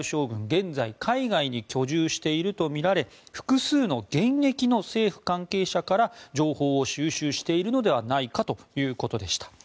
現在海外に居住しているとみられ複数の現役の政府関係者から情報を収集しているのではないかということでした。